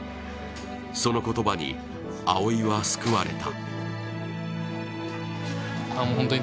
その言葉に蒼生は救われた。